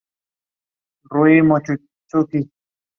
The rules of kilikiti are flexible.